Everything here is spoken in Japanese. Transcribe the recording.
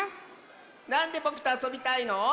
なんでぼくとあそびたいの？